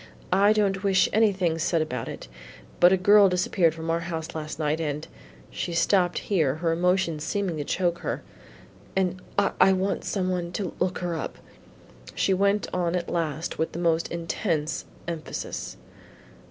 "I don't wish anything said about it, but a girl disappeared from our house last night, and" she stopped here, her emotion seeming to choke her "and I want some one to look her up," she went on at last with the most intense emphasis.